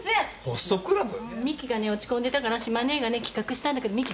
美樹がね落ち込んでたから志麻ネエがね企画したんだけど美樹